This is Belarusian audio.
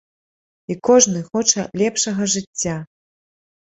І кожны хоча лепшага жыцця.